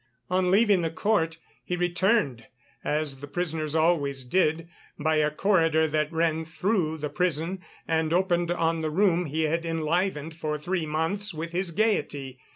On leaving the court, he returned, as the prisoners always did, by a corridor that ran through the prison and opened on the room he had enlivened for three months with his gaiety.